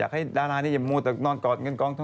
อยากให้ดารานี้ยังมวดแต่นอนกอดเงินกอง